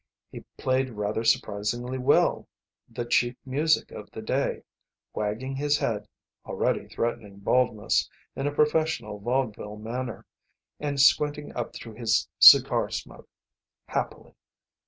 He played rather surprisingly well the cheap music of the day, waggling his head (already threatening baldness) in a professional vaudeville manner and squinting up through his cigar smoke, happily.